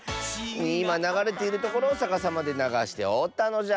いまながれているところをさかさまでながしておったのじゃ。